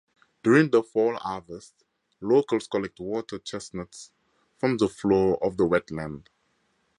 During the fall harvest, locals collect water chestnuts from the floor of the wetland.